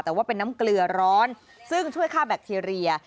แต่ว่าเป็นน้ำเกลือร้อนซึ่งช่วยค่าแบคทีเรีย